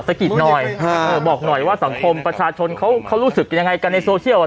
กิดหน่อยบอกหน่อยว่าสังคมประชาชนเขารู้สึกยังไงกันในโซเชียลอ่ะ